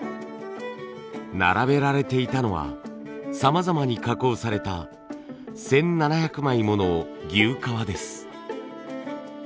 並べられていたのはさまざまに加工された１，７００枚もの牛革です。